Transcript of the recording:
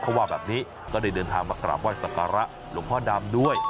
เขาว่าแบบนี้ก็ได้เดินทางมากราบไห้สักการะหลวงพ่อดำด้วย